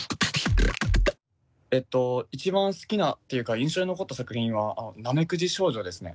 えっと一番好きなっていうか印象に残った作品は「なめくじ少女」ですね。